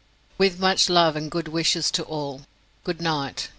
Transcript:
With much love and good wishes to all Good night!